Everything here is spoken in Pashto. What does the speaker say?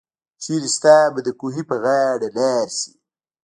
چيري ستاه به دکوهي په غاړه لار شي